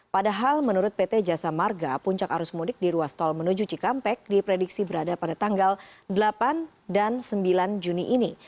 padahal menurut pt jasa marga puncak arus mudik di ruas tol menuju cikampek diprediksi berada pada tanggal delapan dan sembilan juni ini